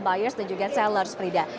buyers dan juga sellers frida